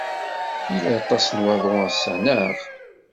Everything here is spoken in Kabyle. Yella aṭas n waḍu ass-a, naɣ?